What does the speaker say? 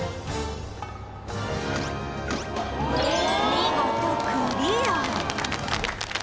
見事クリア！